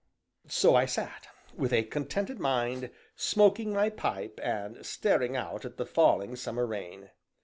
So I sat, with a contented mind, smoking my pipe, and staring out at the falling summer rain.